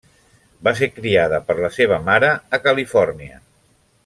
Va ser criada per la seva mare a Califòrnia.